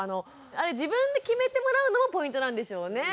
あれ自分で決めてもらうのもポイントなんでしょうね。